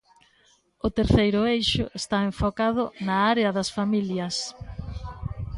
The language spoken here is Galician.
O terceiro eixo está enfocado na área das familias.